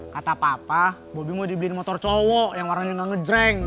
kata papa bobby mau dibeliin motor cowok yang warnanya gak ngejreng